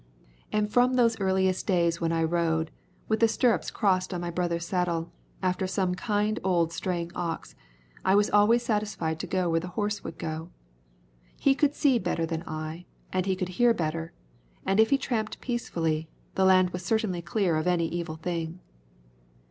And from those earliest days when I rode, with the stirrups crossed on my brother's saddle, after some kind old straying ox, I was always satisfied to go where the horse would go. He could see better than I, and he could hear better, and if he tramped peacefully, the land was certainly clear of any evil thing.